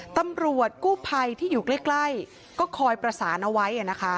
ตำรวจกู้ภัยที่อยู่ใกล้ก็คอยประสานเอาไว้นะคะ